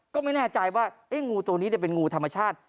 ก็ไม่แน่ใจว่างูตัวนี้เป็นงูธรรมชาติ